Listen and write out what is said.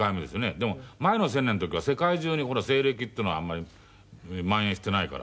でも前の１０００年の時は世界中にこの西暦っていうのがあんまりまん延してないから。